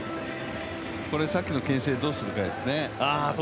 これでさっきのけん制、どうするかですね。